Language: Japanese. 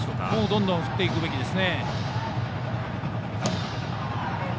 どんどん振っていくべきです。